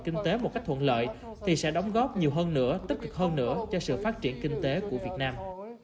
kinh tế một cách thuận lợi thì sẽ đóng góp nhiều hơn nữa tích cực hơn nữa cho sự phát triển kinh tế của việt nam